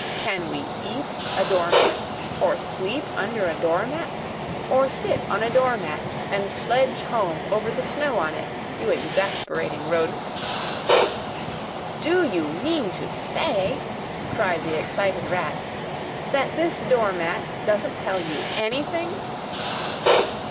Can we EAT a doormat? or sleep under a door mat? Or sit on a door mat and sledge home over the snow on it, you exasperating rodent?" "Do—you—mean—to—say," cried the excited Rat, "that this door mat doesn't tell you anything?"